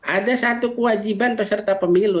ada satu kewajiban peserta pemilu